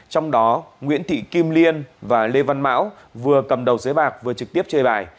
trong đó nguyễn thị kim liên và lê văn mão vừa cầm đầu giới bạc vừa trực tiếp chơi bài